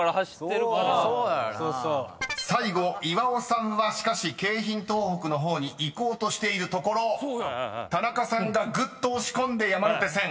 ［最後岩尾さんはしかし京浜東北の方に行こうとしているところ田中さんがぐっと押し込んで山手線。